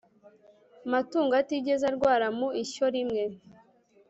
matungo atigeze arwara mu ishyo rimwe